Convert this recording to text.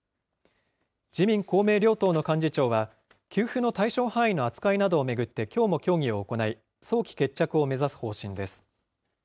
自民、公明両党の幹事長は、給付の対象範囲の扱いなどを巡ってきょうも協議を行い、早期決着を目指す方針です。